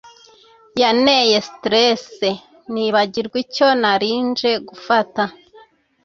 Yaneye stress nibagirwa icyo narinje gufata